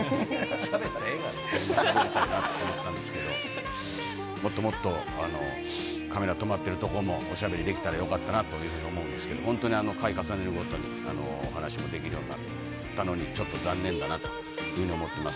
しゃべりたいなと思ったんですけども、もっともっと、カメラ止まってるとこもおしゃべりできたらよかったなというふうに思うんですけど、本当に回を重ねるごとに、お話もできるようになってきたのに、ちょっと残念だなというふうに思ってます。